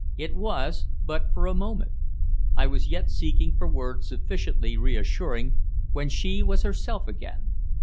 It was but for a moment. I was yet seeking for words sufficiently reassuring when she was herself again.